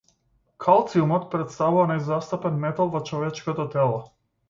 Калциумот претставува најзастапен метал во човечкото тело.